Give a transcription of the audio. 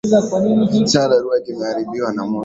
Chandarua kimeharibiwa na moto.